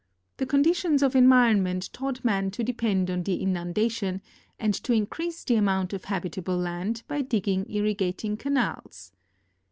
The conditions of environment taught man to depend on the inundation and to increase the amount of habitable land by digging irrigating canals.